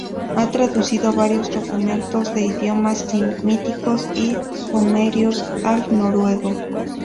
Ha traducido varios documentos de idiomas semíticos y sumerios al noruego.